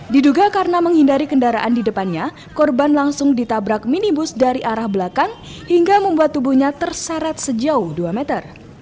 diduga karena menghindari kendaraan di depannya korban langsung ditabrak minibus dari arah belakang hingga membuat tubuhnya terseret sejauh dua meter